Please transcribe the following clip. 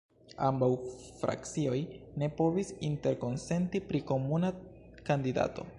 Ambaŭ frakcioj ne povis interkonsenti pri komuna kandidato.